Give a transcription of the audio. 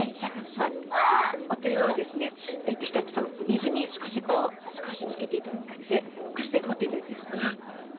お手をですねできたらちょっと水に少しこう少しつけていただく感じでこれで持っていただいていいですか？